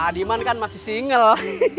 adiman kan masih single